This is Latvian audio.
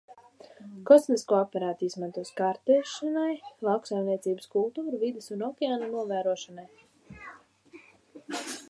Kosmisko aparātu izmantos kartēšanai, lauksaimniecības kultūru, vides un okeāna novērošanai.